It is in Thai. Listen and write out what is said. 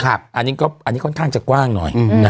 อันนี้ค่อนข้างจะกว้างหน่อย